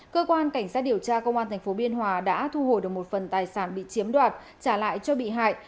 cơ quan cảnh sát điều tra công an tp biên hòa đã thu hồi được một phần tài sản bị chiếm đoạt trả lại cho bị hại